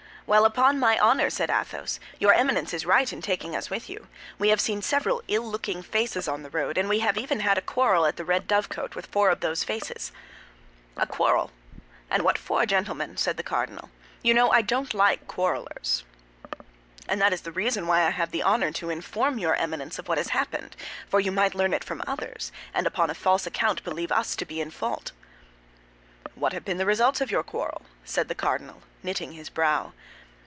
"Well, upon my honor," said Athos, "your Eminence is right in taking us with you; we have seen several ill looking faces on the road, and we have even had a quarrel at the Red Dovecot with four of those faces." "A quarrel, and what for, gentlemen?" said the cardinal; "you know I don't like quarrelers." "And that is the reason why I have the honor to inform your Eminence of what has happened; for you might learn it from others, and upon a false account believe us to be in fault." "What have been the results of your quarrel?" said the cardinal, knitting his brow.